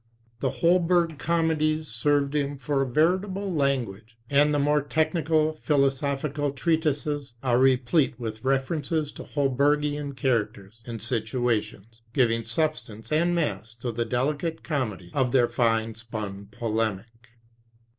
The Holberg comedies served him for a veritable language; and the more technical philosophical treatises are replete with references to Hol bergian characters and situations, giving substance and mass to the delicate comedy of their fine spun polemic.